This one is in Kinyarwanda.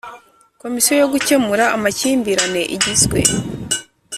Komisiyo yo gukemura amakimbirane igizwe